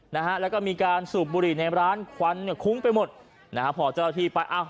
นะฮะแล้วก็มีการสูบบุหรี่ในร้านควันเนี่ยคุ้งไปหมดนะฮะพอเจ้าหน้าที่ไปอ้าว